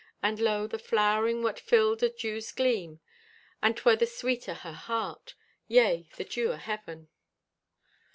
And lo, the flowering wert fulled o' dews gleam, and 'twer the sweet o' her heart, yea, the dew o' heaven."